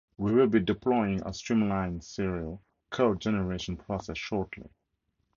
We will be deploying a streamlined serial code generation process shortly.